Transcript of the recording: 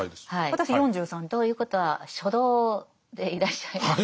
私４３。ということは初老でいらっしゃいますね。